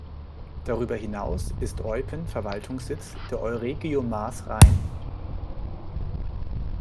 Darüber hinaus ist Eupen Verwaltungssitz der Euregio Maas-Rhein.